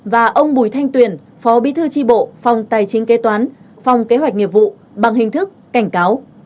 và ông bùi thanh tuyền phó bí thư tri bộ phòng tài chính kế toán phòng kế hoạch nghiệp vụ bằng hình thức cảnh cáo